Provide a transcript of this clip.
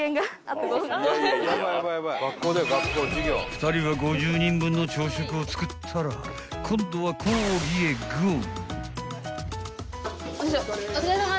［２人は５０人分の朝食を作ったら今度は講義へゴー］